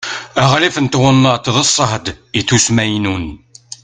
aɣlif n twennaḍt d ṣṣehd ittusmaynun